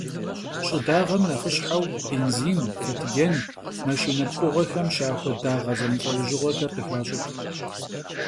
Ş'ıdağem nexhışheu bênzin, fetıcen, maşşine pkhığuexem şaxue dağe zemılh'eujığuexer khıxaş'ıç'.